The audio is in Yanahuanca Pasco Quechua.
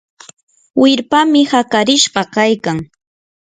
wirpami hakarishqa kaykan.